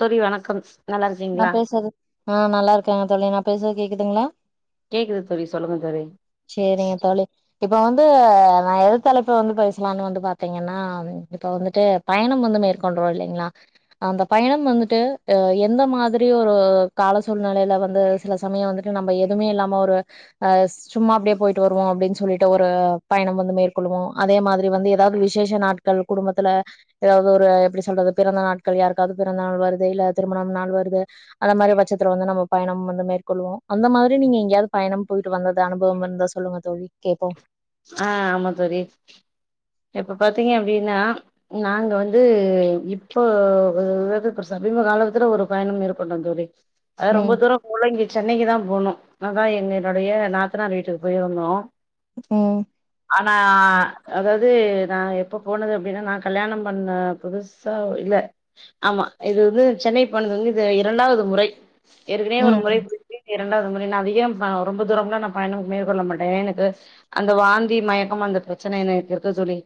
தோழி வணக்கம் நல்லா நா இருக்கீங்களா பேசற்து ஆ நல்லா இருக்க தோழி நா பேசற்து கேக்குதுங்ளா கேக்குது தோழி சொல்லுங்க தோழி சேரிங்க தோழி இப்ப வந்து நா எது தலைப்பு வந்து பேசலான்னு வந்து பாத்தீங்கன்னா இப்ப வந்துட்டு பயணம் வந்து மேற்கொள்றோ இல்லைங்ளா அந்த பயணம் வந்துட்டு எ இந்த மாதிரி ஒரு கால சூழ்நெலைல வந்து சில சமயோ வந்துட்டு நம்ப எதுமே இல்லாம ஒரு அஸ் சும்மா அப்டியே போய்ட்டு வருவோ அப்டின் சொல்லிட்டு ஒரு பயணம் வந்து மேற்கொள்ளுவோ அதே மாதிரி வந்து ஏதாது விசேஷ நாட் கள் குடும்பத்துல ஏதாவது ஒரு எப்புடி சொல்றது பிறந்த நாட்கள் யாருக்காவது பிறந்த நாள் வருது இல்ல திரு மணம் நாள் வருது அத மாரி பச்சத்துல வந்து நம்ம பயணம் வந்து மேற்கொள்ளுவோ அந்த மாரி நீங்க எங்கயாது பயணம் போய்ட்டு வந்தத அனுபவம் இருந்தா சொல்லுங்க தோழி கேப்போ ஆ ஆமா தோழி இப்ப பாத்தீங்க அப்படின்னா நாங்க வந்து இப்போ [unintelligible] சமீப காலத்துல ஒரு பயணம் மேற்க்கொண்டோ தோழி அ ரொம்ப ம் தூரோ போல இங்க சென்னைக்கிதா போணோ அதா என்னினுடைய நாத்துனார் வீட்டுக்கு போய்ருந்தோ ம் ஆனா அதாவது நா எப்போ போனது அப்டின்னா நா கல்யாணம் பண்ண புதுசு ச இல்ல ஆமா இது வந்து சென்னை போனது வந்து இது இரண்டாவது முறை ஏற்கனே ஒரு ம் முறை இப்டி இரண்டாவது முறை நா அதிகம் ரொம்ப தூரம்லா நா பயணம் மேற்கொள்ள மாட்டே எனக்கு அந்த வாந்தி மயக்கம் அந்த பிரச்சனை என்னக்கு இருக்கு தோழி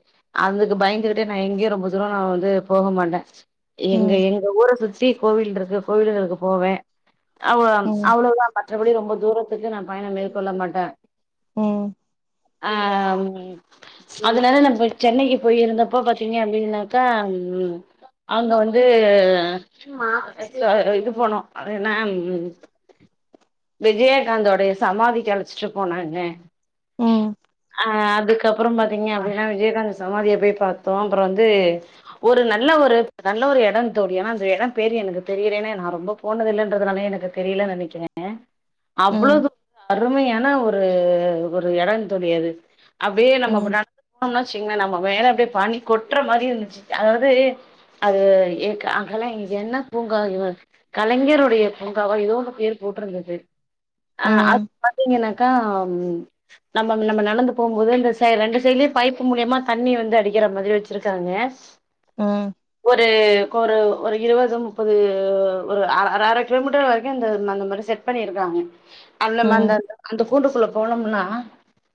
அதுக்கு பயந்துகிட்டே நா எங்கேயு ரொம்ப தூரோ நா வந்து போக மாட்டே எங்க ம் எங்க ஊர சுத்தி கோவில்ருக்கு கோவில்களுக்கு போவே அவ ம் அவ்ளோதா மற்றபடி ரொம்ப தூரத்துக்கு நா பயணம் மேற்க்கொள்ள மாட்ட ம் ஆம் அதுனால நம்ப சென்னைக்கு போய்ருந்தப்ப பாத்தீங்க அப்டின்னாக்கா ம் அங்க வந்து ஸ்ல இது போனோ அது என்ன விஜயகாந்தோடைய சமாதிக்கு அழச்சிட்டு போனாங்க ம் அ அதுக்கப்பறம் பாத்தீங்க அப்டின்னா விஜயகாந் சமாதிய போய் பாத்தோ அப்றோ வந்து ஒரு நல்ல ஒரு நல்ல ஒரு இடோங் தோழி ஆனா அந்த எடோ பேர் எனக்கு தெரியலேன்னா நா ரொம்ப போனதில்லறதுனால எனக்கு தெரியல நெனக்கிறே ம் அவ்ளோது அருமையான ஒரு ஒரு எடோங் தோழி அது அப்டியே நம்ம இப்ப ம் நடந்து போனோனு வச்சீங்ளே நம்ப மேல அப்டியே பணி கொட்டுற மாரி இருந்துச்சு அதாவது அது எ அங்கெல்லா என்ன பூங்கா கலைஞருடைய பூங்காவா ஏதோ ஒண்ணு பேர் போட்ருந்துது அ அது ம் பாத்தீங்கன்னாக்கா நம்ம நம்ம நடந்து போம்போது இந்த சை ரெண்டு சைடுலயு பைப்பு மூலியமா தண்ணி வந்து அடிக்கிற மாதிரி வச்சிருக்காங்க ம் ஒரு கொரு ஒரு இருவது முப்பது ஒரு அரை அர கிலோமீட்டர் வரைக்கு அந் அந்த மாரி செட் பண்ணி இருக்காங்க அந் ம் அந்த கூண்டுக்குள்ள போனம்னா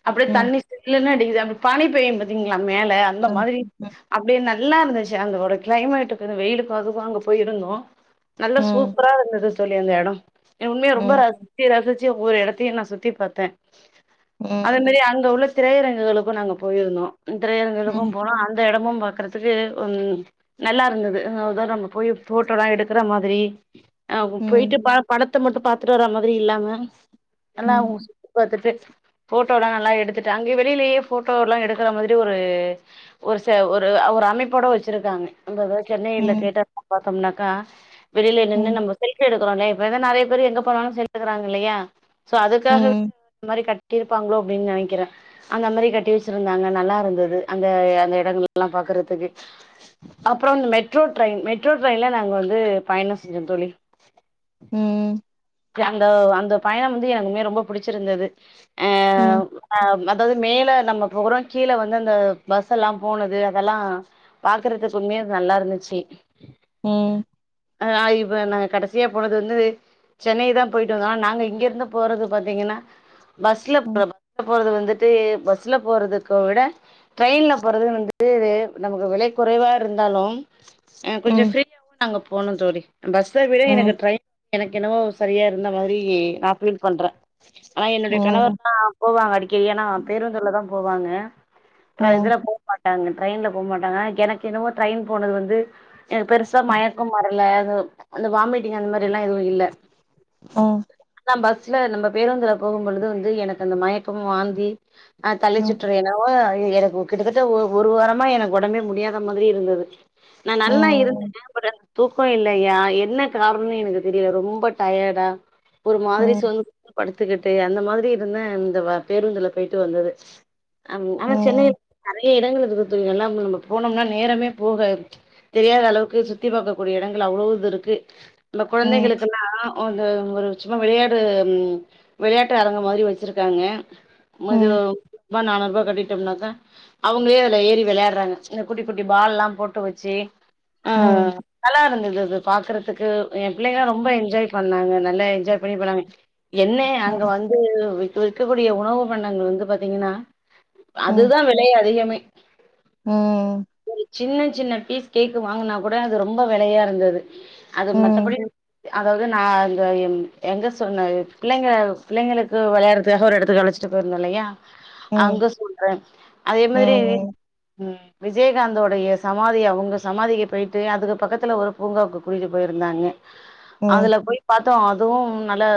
அப்டியே ம் தண்ணி ஜில்லுனு அடிக்கிது அந்த பனிப் பேயும் பாத்தீங்களா மேல அந்த ம், மாதிரி ம், அப்டியே நல்லா இருந்துச்சு அந்தோட கிளைமேட்டுக்கு வந்து வெயிலுக்கு அதுக்கு அங்க போய் இருந்தோ நல்ல ம், சூப்பரா இருந்தது தோழி அந்த எடோ எ உண்மையா ரொம்ப ரசி ம், ச்சு ரசிச்சு ஒவ்வொரு இடத்தையும் நா சுத்தி பாத்தே அதே மாரி அங்க உள்ள திரையரங்குகளுக்கும் நாங்க போயிருந்தோ திரையரங்குகளுக்கும் ம், போனம் அந்த இடமும் பாக்குறது துக்கு உ நல்லா இருந்தது நம்ம போய் ஃபோட்டோல்லா எடுக்கற மாதிரி ஆ போயிட்டு ம், ப படத்த மட்டும் பாத்துட்டு வர்ர மாரி இல்லாம நல்லா ம், அவுங்க சுத்தி பாத்துட்டு ஃபோட்டோ எல்லா நல்லா எடுத்துட்டு அங்க வெளிலயே ஃபோட்டோல்லா எடுக்கிற மாரி ஒரு ஒரு ச ஒரு ஒரு அமைப்போட வச்சிருக்காங்க நம்ம எதா சென்னையில ம், கேட்டோம்னா பாத்தோம்னாக்கா வெளியில நின்னு ம், நம்ம செல்பீ எடுக்குரோலையா இப்ப வந்து நறைய பேர் எங்க போணாலு செல்பீ எடுக்குறாங்க இல்லையா சோ அதுக்காகவே ம், இந்த மாறி கட் இருப்பாங்ளோ அப்டின் நெனக்கிறே அந்த மாரி கட்டி வெச்சிருந்தாங்க நல்லா இருந்தது அந்த அந்த எடங்கள்லா பாக்குறதுக்கு அப்றோ இந்த மெட்ரோ ட்ரயின் மெட்ரோ ட்ரெய்ன்ல நாங்க வந்து பயணோ செஞ்சோ தோழி ம் அந்த அந்த பயணம் வந்து எனக்கு உண்மையா ரொம்ப புடிச்சிருந்தது அ ம் அ அதாவ்து மேல நம்ம இப்ப கூட கீழ வந்து அந்த பஸ் எல்லா போனது அதெல்லா பார்க்குறதுக்கு உண்மையே அது நல்லா இருந்துச்சு ம் ஆ நா இப்ப நாங்க கடைசியா போனது வந்து சென்னை தா போயிட்டு வந்தோ ஆனா நாங்க இங்க இருந்து போறது பார்த்தீங்கன்னா பஸ்ல பஸ்ல போறது வந்துட்டு வந்து பஸ்ல போறதுக்க விட ட்ரெயின்ல போறது வந்துட்டு நமக்கு விலை குறைவா இருந்தாலு அ ம், ம், கொஞ்சோ ஃப்ரீயாவு நாங்க போனோ தோழி பஸ்ஸ விட ம், ம், ம், ம், ம், ம், ம், ம், ம், ம், ம், ம், ம், ம், ம், எனக்கு ட்ரெயின் எனக்கு என்னவோ சரியா இருந்த மாரி நா ஃபீல் பண்ற ஆனா என்னுடைய கணவர்ல்லா போவாங்க அடிக்கடி ஏனா பேருந்துள்ள தா போவாங்க அப்றோ இதுல போ மாட்டாங்க ட்ரெயின்ல போ மாட்டாங்க எனக்கு என்னவோ ட்ரெயின் போனது வந்து எனக்கு பெருசாக மயக்கம் வரல அது அந்த வாமிட்டிங் அந்த மாதிரில்லா எதுவு இல்ல ஓ நா பஸ்ல நம்ப பேருந்துல போகும் பொழுது வந்து எனக்கு அந்த மயக்கமு வாந்தி அ தலை சுட்றல் என்னவோ எனக்கு கிட்டத்தட்ட ஒரு ஒரு வாரமா எனக்கு ஒடம்பே முடியாத மாதிரி இருந்தது நா நல்லா இருந்தேங்க பட் ஆனா தூக்கோ இல்லையா என்ன காரணோனு எனக்கு தெரியல ரொம்ப டயர்டா ஒரு மாதிரி சோந்து சோந்து படுத் துக்கிட்டு அந்த மாதிரி இருந்த இந்த பேருந்துல போயிட்டு வந்தது ம் ஆனா சென்னைய நறைய இடங்கள் இருக்குதுங்க எல்லாம் நம்ப இப்ப போனோம்னா நேரமே போகாது தெரியாத அளவுக்கு சுத்தி பாக்கக்கூடிய இடங்கள் அவ்ளோது இருக்கு நம்ம குழந்தைகளுக்குல்லா ஒரு ஒரு சும்மா விளையாடு விளையாட்டு அரங்க மாரி வச்சிருக்காங்க ம், ம், மது ம், முன்நுறுபா நாநுறுபா கட்டிட்டோம்னாக்கா அவுங்களே அதுல ஏறி விளையாடுறாங்க சின்ன குட்டி குட்டி பால்லாம் போட்டு வச்சு ஆ நல்லா இருந்தது அது பாக்குறதுக்கு எ பிள்ளைகல்லா ரொம்ப என்ஜாய் பண்ணாங்க நல்லா என்ஜாய் பண்ணி பன்னாங்க என்ன அங்க வந்து விக்கக்கூடிய உணவு பண்டங்கள் வந்து பாத்தீங்கன்னா அதுதா விலை அதிகமே ம் ஒரு சின்ன சின்ன பீஸ் கேக்கு வாங்குனா கூட அது ரொம்ப விலையா இருந்தது அது மத்தபடி அதாவது நா அங்க ம் எங்க சொன்ன பிள்ளைங்க பிள்ளைங்களுக்கு விளையாடுறதுக்காக ஒரு இடத்து அழைச்சிட்டு போயிருந்தோ இல்லையா அங்க சொல்ற அதே மாதிரி ம் விஜயகாந்தோடைய சமாதி அவுங்க சமாதிக்கு போயிட்டு அதுக்கு பக்கத்துல ஒரு பூங்காவுக்கு கூட்டிட்டு போயிருந்தாங்க அதுல போய் பாத்தோ அதுவு நல்லா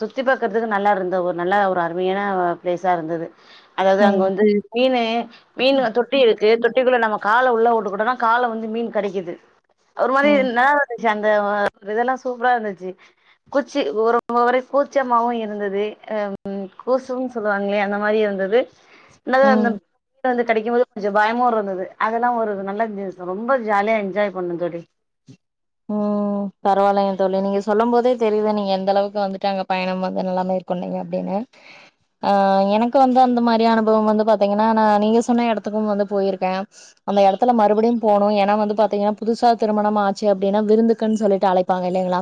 சுத்தி பாக்கறதுக்கு நல்லா இருந்த ஒரு நல்ல ஒரு அருமையான ப்ளேஸா இருந்தது அதாவது அங்க வந்து மீன்னு மீன்னு தொட்டி இருக்கு தொட்டிக்குள்ள நம்ம கால உள்ள உட்டுக்குட்டோன்னா கால வந்து மீன் கடிக்கிது ஒரு மாதிரி ம். நல்லா இருந்துச்சூ அந்த அ இதெல்லா சூப்பரா இருந்துச்சி கூச்சி ஒருவம் வரை கூச்சம்மாவு இருந்தது அ ம் கூசும் சொல்லுவாங்களே அந்த மாரியு இருந்தது என்தா அந்த கிட்ட வந்து கடிக்கும் போது கொஞ்சம் பயமு இருந்தது அதெல்லா ஒரு நல்ல ரொம்ப ஜாலியா என்ஜாய் பண்ணோ தோழி ஓ பரவாயில்லைங்க தோழி நீங்க சொல்லும் போதே தெரியுது நீங்க எந்த அளவுக்கு வந்துட்டு அங்க பயணம் வந்து நல்லா மேற்கொண்டீங்க அப்படின்னு ஆ எனக்கு வந்து அந்த மாரி அனுபவம் வந்து பாத்தீங்கன்னா நா நீங்க சொன்ன இடத்துக்கு வந்து போயிருக்க அந்த இடத்துல மறுபடியு போணு ஏன்னா வந்து பாத்தீங்கன்னா புதுசா திருமணமா ச்சி அப்டின்னா விருந்துக்குன்னு சொல்லிட்டு அழைப்பாங்க இல்லைங்களா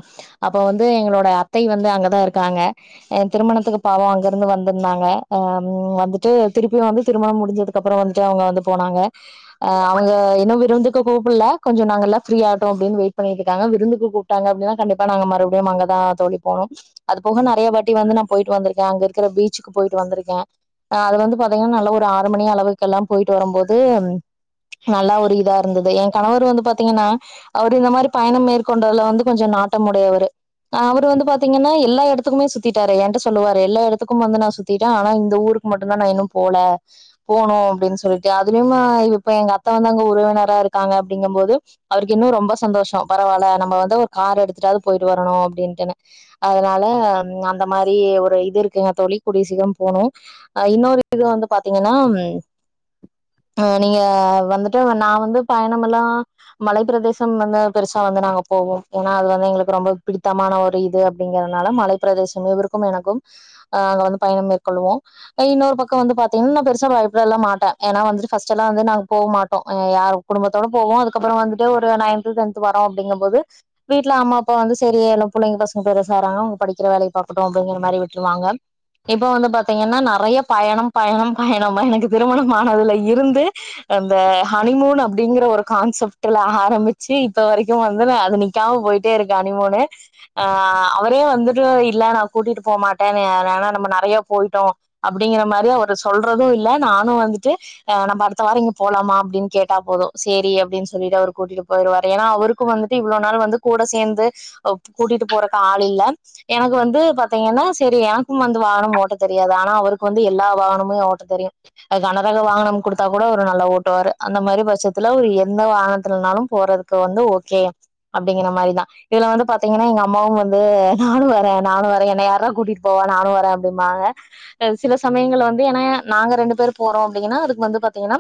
அப்ப வந்து எங்களோட அத்தை வந்து அங்கதா இருக்காங்க அ திருமணத்துக்கு பாவோ அங்கிருந்து வந்துருந்தாங்க அ வந்துட்டு திருப்பியு வந்து திருமணம் முடிஞ்சதுக் அதுக்கப்புறோ வந்துட்டு அவுங்க வந்து போனாங்க அவங்க இன்னோ விருந்துக்கு கூப்புல்ல கொஞ்சோ நாங்க எல்லா ஃப்ரீயா அப்டீன்னு வெயிட் பண்ணிட்ருக்காங்க விருந்துக்கு கூப்டாங்க அப்டீன்னா கண்டிப்பா நாங்க மறுபடியு அங்கதா தோழி போனோ அது போக நறைய வாட்டி வந்து நா போயிட்டு வந்துருக்க அங்க இருக்கிற பீச்சுக்கு போயிட்டு வந்துருக்கே அ அதுல வந்து பாத்தீங்கன்னா நல்லா ஒரு ஆறு மணி அளவுக்கு எல்லா போயிட்டு வரும்போது நல்லா ஒரு இதா இர்ந்தது ஏ கணவர் வந்து பாத்தீங்கனா அவரு இந்த மாரி பயணம் மேற்கொண்டதுல வந்து கொஞ்சம் நாட்டம் உடையவரு அவரு வந்து பாத்தீங்கன்னா எல்லா எடத்துக்குமே சுத்திட்டாரு ஏன்ட்ட சொல்லுவாரு எல்லா எடத்துக்கும் வந்து நா சுத்திட்டே ஆனா இந்த ஊருக் கு மட்டுந்தா நா இன்னோ போல போணோ அப்டீன்னு சொல்லிட்டு அதுலையுமா இப்ப எங்க அத்த வந்து அங்க உறவினரா இருக்காங்க அப்டீங்கும் போது அவருக் இன்னோ ரொம்ப சந்தோஷோ பரவாயில்ல நம்ம வந்து ஒரு கார எடுத்துட்டாவது போயிட்டு வரணோ அப்டின்ட்டுனு அதனால அந்த மாரி ஒரு இது இருக்குங்க தோழி கூடிய சீக்கிரோ போணோ ஆ இன்னோரு இது வந்து பாத்தீங்கன்னா நீங்க வந்துட்டு நா வந்து பயணமெல்லா மலைக் பிரதேசம் வந்து பெருசா வந்து நாங்க போவோ ஏன்னா அது வந்து எங்களுக்கு ரொம்போ பிடித்தமான ஒரு இது அப்டிங்கறனால மலைக் பிரதேசம் இவருக்கும் எனக்கும் அங்க வந்து பயணம் மேற்கொள்ளுவோ அ இன்னோரு பக்கோ வந்து பாத்தீங்கன்னா நா பெருசா பயப்படலா மாட்டே ஏன்னா வந்து ஃப்ர்ஸ்ட்டெல்லா வந்து நாங்க போக மாட்டோ யாரு குடும்பத்தோட போவோ அதுக்கப்புறோ வந்துட்டு ஒரு நைன்து டென்த்து வாரோ அப்டீங்கபோது வீட்ல அம்மா அப்பா வந்து செரி எல்லா புள்ளைங்க பசங்க பெருசறாங்க அவுங்க படிக்கற வேலய பாக்கட்டோ அப்டீங்கற மாரி விட்டுருவாங்க இப்ப வந்து பாத்தீங்கன்னா நறைய பயணம் பயணம் பயணம் எனக்கு திருமணமானதுல இருந்து அந்த ஹனிமூன் அப்டீங்கற ஒரு கான்செப்ட் டுல ஆரம்பிச்சி இப்ப வரைக்கு வந்து அது நிக்காம போயிட்டே இருக்கு ஹனிமூனு ஆ அவரே வந்துட்டு இல்ல நா கூட்டிட்டு போகமாட்டேன்னு ஏன்னா நம்ம நறைய போயிட்டோ அப்டீங்கிற மாரி அவரு சொல்றதோ இல்ல நானு வந்துட்டு ஆ நம்ம அடுத்த வாரோ இங்க போலாமா அப்டீன்னு கேட்டா போதோ செரி அப்டீன்னு சொல்லிட்டு அவர் கூட்டிட்டு போயிருவாரு ஏன்னா அவருக்கோ வந்துட்டு இவ்வளோ நாள் வந்து கூட சேந்து கூட்டிட்டு போறக்கு ஆள் இல்ல எனக்கு வந்து பாத்தீங்கன்னா செரி எனக்கும் வந்து வாகனம் ஓட்ட தெரியாது ஆனா அவருக்கு வந்து எல்லா வாகனமும் ஓட்ட தெரியும் அது கனரகம் வாகனம் குடுத்தா கூட அவரு நல்லா ஓட்டுவாரு அந்த மாரி பட்சத்துல ஒரு எந் த வாகனத்துனாலு போறதுக்கு வந்து ஓகே அப்டீங்கிற மாதிரிதா இதுல வந்து பாத்தீங்கன்னா எங்க அம்மாவு வந்து நானு வரே நானு வரே என்ன யார்ரா கூட்டிட்டு போவா நானு வரே அப்டீம்பாங்க சில சமயங்கள்ல வந்து ஏன்னா நாங்க ரெண்டு பேர் போறோ அப்டீங்கன்னா அதுக்கு வந்து பாத்தீங்கன்னா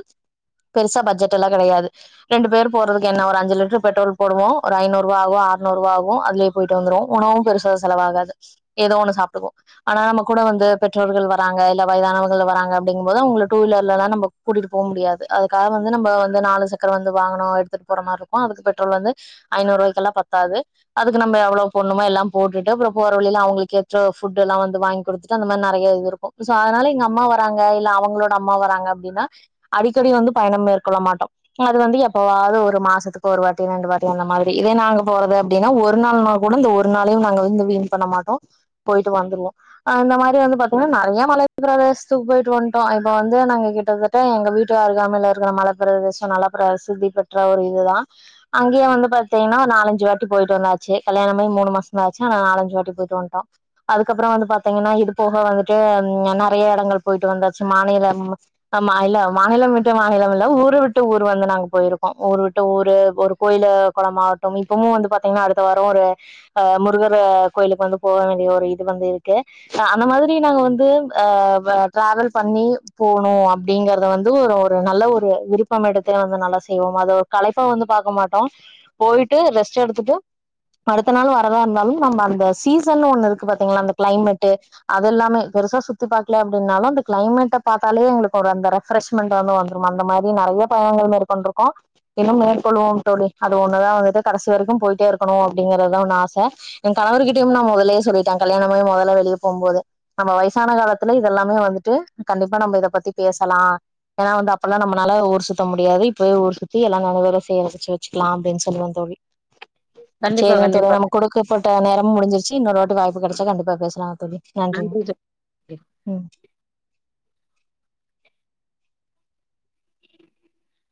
பெருசா பட்ஜெட்ல்லா கெடையாது ரெண்டு பேர் போறதுக்கு என்ன ஒரு அஞ்சுலிட்டடர் பெட்ரோல் போடுவோ ஒரு ஐநூரூவா ஆவோ ஆற்நூறுவா ஆகோ அதுல யே போய்ட்டு வந்துருவோ உணவும் பெருசா செலவாகாது ஏதோ ஒண்ணு சாப்ட்டுக்குவோ ஆனா நம்ம கூட வந்து பெற்றோர்கள் வராங்க இல்ல வயதானவங்கள் வராங்க அப்படிங்கும் போது அவங்கள டூ வீலர்லா நம்போ கூட்டிட்டு போம் முடியாது அதுக்காக வந்து நம்ம வந்து நாலு சக்கரோ வந்து வாகனோ எடுத்துட்டு போற மாரி இருக்கோ அதுக்கு பெட்ரோல் வந்து ஐநூறுபாய்க்கெல்லா பத்தாது அதுக்கு நம்ம எவ்ளோ போட்ணமோ எல்லா போட்டுட்டு அப்றோ போற வழிலா அவுங்குளுக்கு ஏற்ற ஃபுட்டு எல்லா வந்து வாங்கி குடுத்துட்டு அந்த மாரி நறைய இது இருக் கோ அதனால எங்க அம்மா வராங்க இல்ல அவங்களோட அம்மா வராங்க அப்டீன்னா அடிக்கடி வந்து பயணம் மேற்கொள்ள மாட்டோ அது வந்து எப்பவாவது ஒரு மாசத்துக்கு ஒரு வாட்டி ரெண்டு வாட்டி அந்த மாரி இதே நாங்க போறது அப்டீன்னா ஒரு நாள் உளுந்து ஒரு நாளையோ நாங்க வந்து வீண் பண்ண மாட்டோ போயிட்டு வந்துருவோ அந்த மாரி வந்து பாத்தீங்கன்னா நறைய மலை பிரதேசத்துக்கு போயிட்டு வந்துட்டோ இப்ப வந்து நாங்க கிட்டதட் ட எங்க வீட்டு அருகாமையில இருக்குற மல பிரதேசோ நல்லா பிரசித்தி பெற்ற ஒரு இதுதா அங்கேயோ வந்து பாத்தீங்கனா ஒரு நாலஞ்சு வாட்டி போயிட்டு வந்தாச்சு கல்யாணமாயி மூணு மாசோதா ஆச்சு ஆனா நாலஞ்சு வாட்டி போயிட்டு வந்டோ அதுக்கப்புறொ வந்து பாத்தீங்கன்னா இது போக வந்துட்டு நறைய எடங்கள் போயிட்டு வந்தாச்சு மாநிலம் ஆமா இல்ல மாநிலம் விட்டு மாநிலம் இல்ல ஊர விட் டு ஊர் வந்து நாங்க போயிருக்கோ ஊர் விட்டு ஊரு ஒரு கோயிலு கொளமாகட்டும் இப்பமும் வந்து பாத்தீங்கன்னா அடுத்த வாரொ ஒரு ஆ முருகர் கோயிலுக்கு வந்து போக வேண்டிய ஒரு இது வந்து இருக்கு அந்த மாதிரி நாங்க வந்து ஆ டிராவல் பண்ணி போனோ அப் அப்டிங்கறத வந்து ஒரு ஒரு நல்ல ஒரு திருப் எடத்துல வந்து நல்லா செய்வோம் அத ஒரு கலைப்பா வந்து பாக்க மாட்டோ போயிட்டு ரெஸ்ட் எடுத்துட்டு அடுத்த நாள் வரதா இருந்தாலும் நம்ப அந்த சீசன் ஒண்ணு இருக்கு பாத்தீங்களா அந்த கிளைமேட்டு அது எல்லாமே பெருசா சுத்தி பாக்ல அப்டின்னாலு அந்த க்ளைமேட்ட பாத்தாலே எங்களுக்கு ஒரு அந்த ஃப்ரெஷ்மெண்ட் வந்துரு அந்த மாரி நறைய பயணங்கள் மேற்க்கொண்டுருக்கோ இன்னும் மேற்கொள்வோம் தோழி அது ஒண்ணுதா வந்துட்டு கடைசி வரைக்கும் போயிட்டே இருக்கணூ அப்டிங்கறதுதா ஒன்னு ஆச என் கணவரு கிட்டயும் நா மொதலயே சொல்லிட்டே கல்யாணமாய் மொதல்ல வெளிய போம்போதே நம்ம வயசான காலத்துல இதெல்லாமே வந்துட்டு கண்டிப்பா நம்ப இத பத்தி பேசலா ஏன்னா வந்து அப்பல்லா நம்மளால ஊரூ சு த்த முடியாது இப்பவே ஊர் சுத்தி எல்லா நெனவுகள சேமிச்சு வச்சுக்லா அப்டின்னு சொல்லுவ தோழி கண்டிப்பா சேரிங்க தோழி கண்டிப்பா நம்மக்கு கொடுக்கப்பட்ட நேரம்மு முடிஞ்சிருச்சுஇன்னொரு வாட்டி வாய்ப்பு கெடைச்சா கண்டிப்பா பேசலாங்க தோழி நன்றிங்க நன்றி தோழி ம்